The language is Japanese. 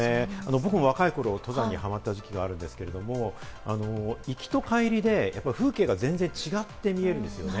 僕も若い頃、登山にはまった時期があるんですけれども、行きと帰りでやっぱり風景が全然違って見えるんですよね。